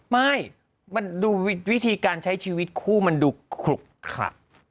ไม่มันดูวิธีการใช้ชีวิตคู่มันดูขลุกขลัก